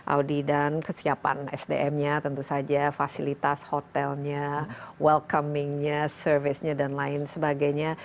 audi dan kesiapan sdm nya tentu saja fasilitas hotelnya welcomingnya service nya dan lain sebagainya